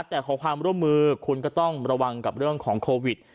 แต่ขอความร่วมมือคุณก็ต้องระวังกับเรื่องของโควิด